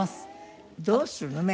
どうするの？